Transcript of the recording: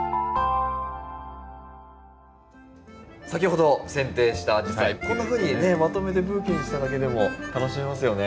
先ほどせん定したアジサイこんなふうにまとめてブーケにしただけでも楽しめますよね。